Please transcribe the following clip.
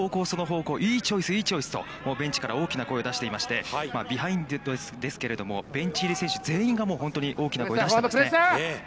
その方向、いいチョイス、いいチョイスとベンチから大きな声を出していてビハインドですけれども、ベンチ入り選手全員が本当に大きな声を出しています。